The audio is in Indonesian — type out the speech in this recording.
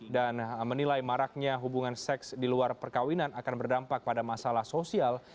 dan menilai maraknya hubungan seks di luar perkawinan akan berdampak pada masalah sosial